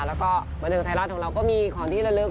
แล้วก็มนุษย์ไทยราชของเราก็มีของที่ละลึก